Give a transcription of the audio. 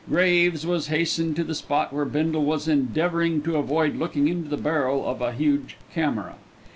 Graves was hastened to the spot where Bindle was endeavouring to avoid looking into the barrel of a huge "camera."